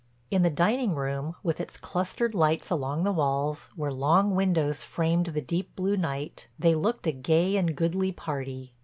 In the dining room, with its clustered lights along the walls, where long windows framed the deep blue night, they looked a gay and goodly party.